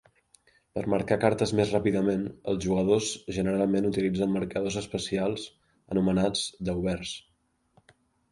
Per marcar cartes més ràpidament, els jugadors generalment utilitzen marcadors especials anomenats "daubers".